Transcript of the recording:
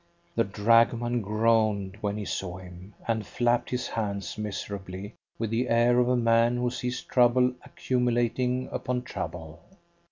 The dragoman groaned when he saw him, and flapped his hands miserably with the air of a man who sees trouble accumulating upon trouble.